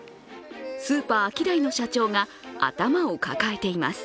スーパー、アキダイの社長が頭を抱えています。